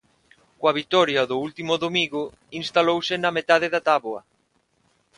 Coa vitoria do último domigo instalouse na metade da táboa.